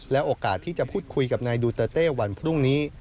โอกาสที่จะพูดคุยกับนายดูเตอร์เต้วันพรุ่งนี้